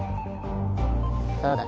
そうだ。